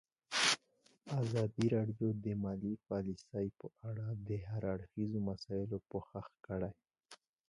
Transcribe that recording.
ازادي راډیو د مالي پالیسي په اړه د هر اړخیزو مسایلو پوښښ کړی.